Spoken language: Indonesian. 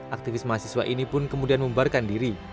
aktivis mahasiswa ini pun kemudian membarkan diri